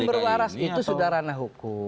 tidak karena sumber waras itu sudah ranah hukum